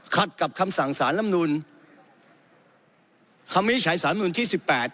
ขัดกับคำสั่งสารลำนุนคำนี้ใช้สารลำนุนที่๑๘